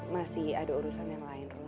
masih ada urusan yang lain